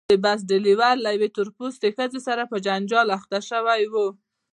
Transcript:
د بس ډریور له یوې تور پوستې ښځې سره په جنجال اخته شوی.